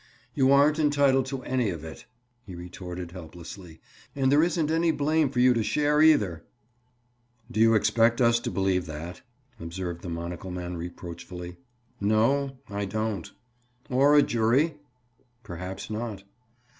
"You aren't entitled to any of it," he retorted helplessly. "And there isn't any blame for you to share, either." "Do you expect us to believe that?" observed the monocle man reproachfully. "No, I don't." "Or a jury?" "Perhaps not."